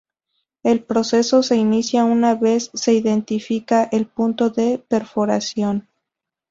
El proceso se inicia una vez se identifica el punto de perforación.